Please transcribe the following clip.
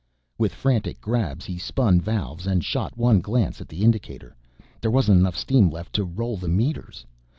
With frantic grabs he spun valves and shot one glance at the indicator: there wasn't enough steam left to roll the meters.